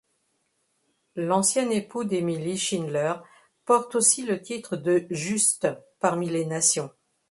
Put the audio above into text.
L'ancien époux d'Émilie Schindler porte aussi le titre de Juste parmi les nations.